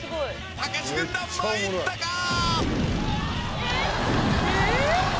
・たけし軍団まいったかー